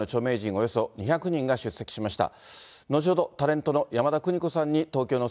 およそ２００人が出席しました。